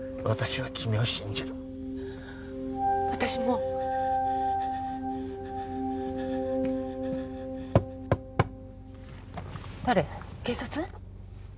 私は君を信じる私も誰警察？